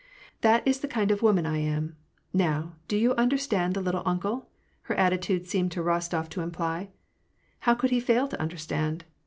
" That is the kind of a woman I am ! Kow, do you under stand the ' little uncle '?" her attitude seemed to Rostof to imply. ^Tow could he fail to understand